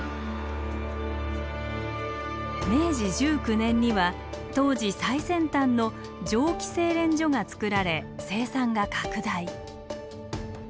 明治１９年には当時最先端の蒸気精錬所が作られ生産が拡大。